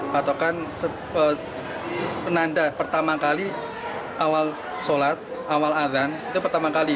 patokan penanda pertama kali awal sholat awal adhan itu pertama kali